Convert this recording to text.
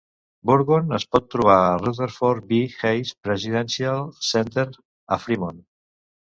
Burgoon es pot trobar al Rutherford B. Hayes Presidential Center a Fremont.